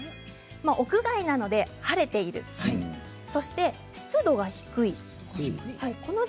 屋外ですので晴れていることそして湿度が低いこと。